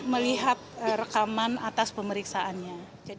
melihat rekaman atas pemeriksaannya